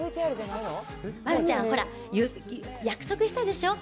丸ちゃんほら、約束したでしょう。